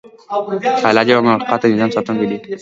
الله ج د مخلوقاتو د نظام ساتونکی دی